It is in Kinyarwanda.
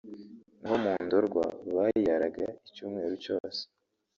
naho mu Ndorwa bayiraraga icyumweru cyose